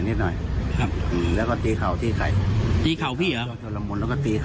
นิดหน่อยแล้วก็ตีเข่าที่ใครตีเข่าพี่เหรอ